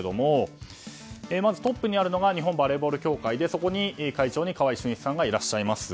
まずトップにあるのが日本バレーボール協会でその会長に川合さんがいらっしゃいます。